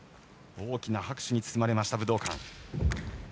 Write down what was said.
大きな拍手に包まれました武道館。